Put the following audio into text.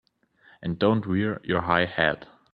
And don't wear your high hat!